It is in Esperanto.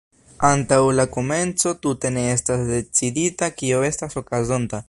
Antaŭ la komenco tute ne estas decidita kio estas okazonta.